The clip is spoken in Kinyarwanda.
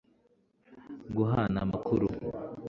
guhana amakuru